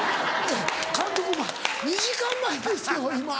「監督２時間前ですよ今」。